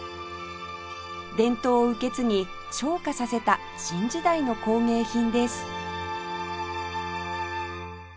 伝統を受け継ぎ昇華させた新時代の工芸品です